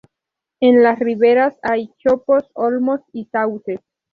En las riberas hay chopos, olmos y sauces.